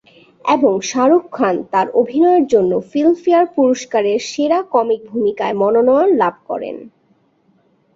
এবং শাহরুখ খান তার অভিনয়ের জন্য ফিল্মফেয়ার পুরস্কার এর সেরা কমিক ভূমিকায় মনোনয়ন লাভ করেন।